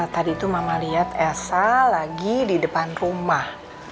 tadi itu mama lihat elsa lagi di depan rumah